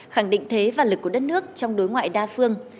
khẳng định thế và lực của đất nước trong đối ngoại đa phương